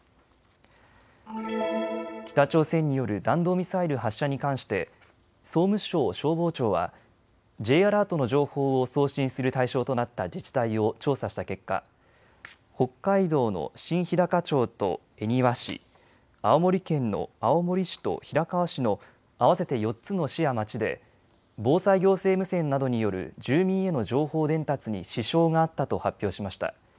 北朝鮮による弾道ミサイル発射に関して総務省消防庁はＪアラートの情報を送信する対象となった自治体を調査した結果、北海道の新ひだか町と恵庭市、青森県の青森市と平川市の合わせて４つの市や町で防災行政無線などによる住民への情報伝達に支障があったと発表しました。